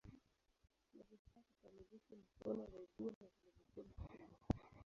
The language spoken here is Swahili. Ni vifaa kikamilifu Mkono redio na televisheni studio.